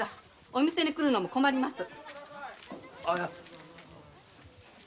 お店に来るのも困ります。